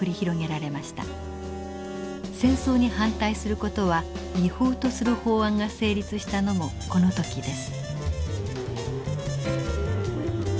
戦争に反対する事は違法とする法案が成立したのもこの時です。